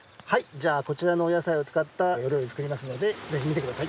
じゃこちらのお野菜を使ったお料理作りますのでぜひ見てください。